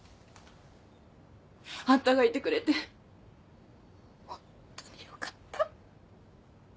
あんたがいてくれてホントによかった。